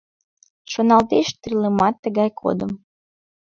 Шоналтеш тӱрлымат тыгай годым.